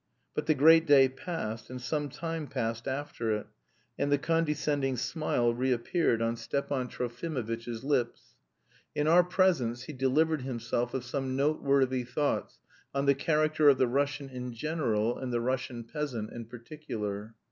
But the great day passed, and some time passed after it, and the condescending smile reappeared on Stepan Trofimovitch's lips. In our presence he delivered himself of some noteworthy thoughts on the character of the Russian in general, and the Russian peasant in particular.